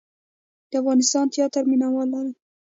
د افغانستان تیاتر مینه وال لري